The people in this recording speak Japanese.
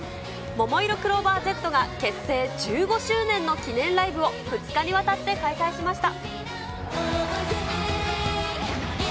ももいろクローバーＺが結成１５周年の記念ライブを２日にわたって開催しました。